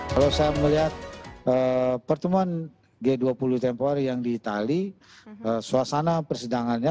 kalau saya melihat pertemuan g dua puluh tempor yang di itali suasana persidangannya